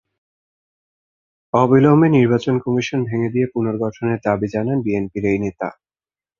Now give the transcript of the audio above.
অবিলম্বে নির্বাচন কমিশন ভেঙে দিয়ে পুনর্গঠনের দাবি জানান বিএনপির এই নেতা।